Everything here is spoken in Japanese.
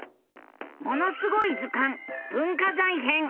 「ものすごい図鑑文化財編」！